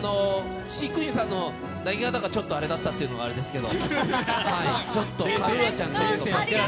飼育員さんの投げ方がちょっとあれだったっていうのがあれですけど。